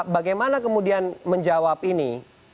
bagaimana kemudian menjawab ini